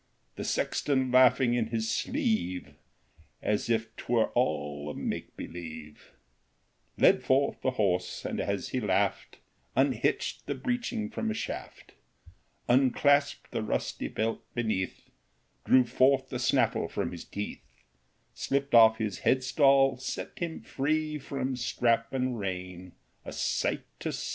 The sexton laughing in his sleeve, As if 't were all a make believe, Led forth the horse, and as he laughed *3 How the Old Horse Won Unhitched the breeching from a shaft, Unclasped the rusty belt beneath, Drew forth the snaffle from his teeth, Slipped off his head stall, set him free From strap and rein, — a sight to see